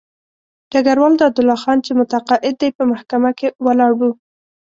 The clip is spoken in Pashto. ډګروال دادالله خان چې متقاعد دی په محکمه کې ولاړ وو.